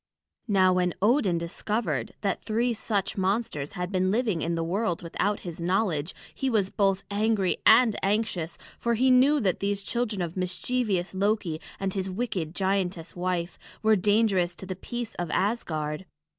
Now when Odin discovered that three such monsters had been living in the world without his knowledge, he was both angry and anxious, for he knew that these children of mischievous Loki and his wicked giantess wife were dangerous to the peace of Asgard.